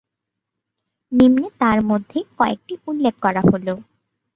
নিম্নে তার মধ্যে কয়েকটি উল্লেখ করা হল-